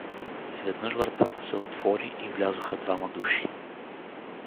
Изведнъж вратата се отвори и влязоха двама души.